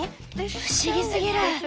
不思議すぎる。